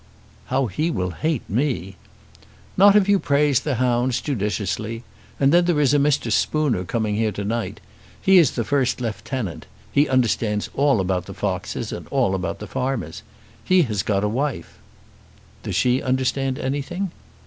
"How he will hate me." "Not if you will praise the hounds judiciously. And then there is a Mr. Spooner coming here to night. He is the first lieutenant. He understands all about the foxes, and all about the farmers. He has got a wife." "Does she understand anything?"